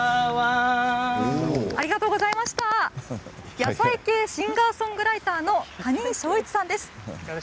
野菜系シンガーソングライターの谷井翔一さんです。